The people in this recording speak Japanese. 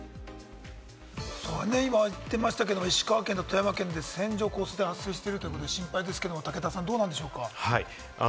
今、言ってましたけれども、石川県と富山県で線状降水帯が発生してるということで、心配ですけれども、武田さん、どうなんでしょうか？